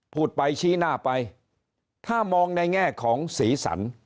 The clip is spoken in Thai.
พูดไปชี้หน้าไปถ้ามองในแง่ของสีสัน